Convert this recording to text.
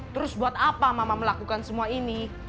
terus buat apa mama melakukan semua ini